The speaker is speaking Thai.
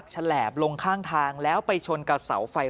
จากพวกสายเย็บแล้วก็ไป